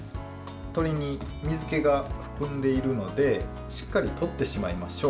鶏に水けが含んでいるのでしっかりとってしまいましょう。